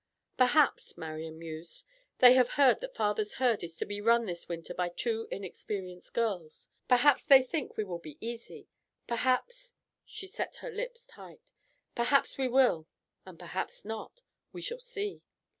"Perhaps," Marian mused, "they have heard that father's herd is to be run this winter by two inexperienced girls. Perhaps they think we will be easy. Perhaps—" she set her lips tight, "perhaps we will, and perhaps not. We shall see."